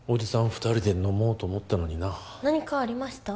二人で飲もうと思ったのにな何かありました？